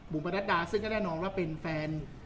ประนัดดาซึ่งก็แน่นอนว่าเป็นแฟน